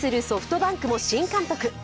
ソフトバンクも新監督。